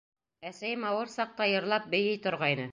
Әсәйем ауыр саҡта йырлап-бейей торғайны.